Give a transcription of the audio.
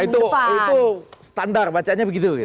iya itu standar bacaannya begitu gitu